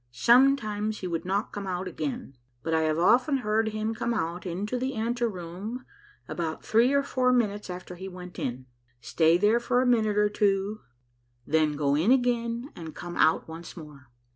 Sometimes he would not come out again, but I have often heard him come out into the anteroom about three or four minutes after he went in, stay there for a minute or two, then go in again and come out once more.